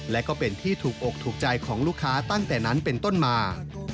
และก็เป็นที่ถูกอกถูกใจของลูกค้าตั้งแต่นั้นเป็นต้นมา